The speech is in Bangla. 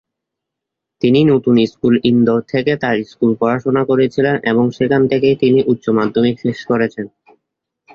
তিনি নূতন স্কুল ইন্দোর থেকে তাঁর স্কুল পড়াশোনা করেছিলেন এবং সেখান থেকেই তিনি উচ্চমাধ্যমিক শেষ করেছেন।